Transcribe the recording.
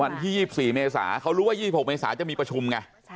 วันที่๒๔เมษาเขารู้ว่า๒๖เมษาจะมีประชุมไง